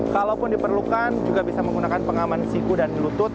kalaupun diperlukan juga bisa menggunakan pengaman siku dan lutut